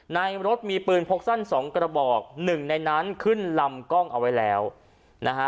ในรถมีปืนพกสั้นสองกระบอกหนึ่งในนั้นขึ้นลำกล้องเอาไว้แล้วนะฮะ